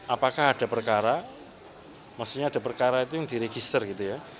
apakah ada perkara maksudnya ada perkara itu yang diregister gitu ya